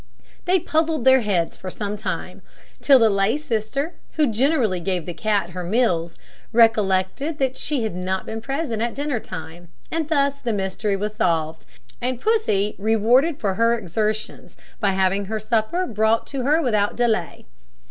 They puzzled their heads for some time, till the lay sister who generally gave the cat her meals recollected that she had not been present at dinner time; and thus the mystery was solved, and Pussy rewarded for her exertions by having her supper brought to her without delay.